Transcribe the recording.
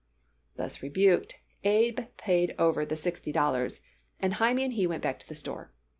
Thus rebuked, Abe paid over the sixty dollars, and Hymie and he went back to the store.